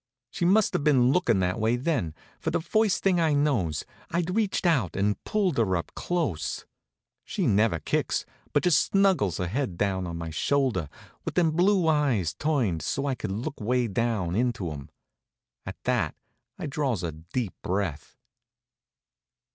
She must have been lookin' that way then, for the first thing I knows I'd reached out and pulled her up close. She never kicks, but just snuggles her head down on my shoulder, with them blue eyes turned so I could look way down into 'em. At that I draws a deep breath.